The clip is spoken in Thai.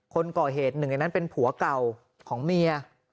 คนก่อเหตุหนึ่งในนั้นเป็นผัวเก่าของเมีย